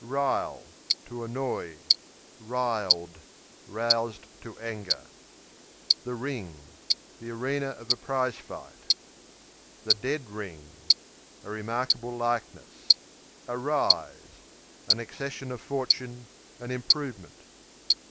Rile To annoy. Riled Roused to anger. Ring, the The arena of a prize fight. Ring, the dead A remarkable likeness. Rise, a An accession of fortune; an improvement.